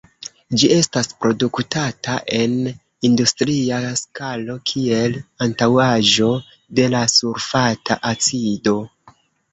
Ĝi estas produktata en industria skalo kiel antaŭaĵo de la sulfata acido.